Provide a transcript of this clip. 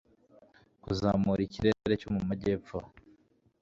Kuzamura ikirere cyo mu majyepfo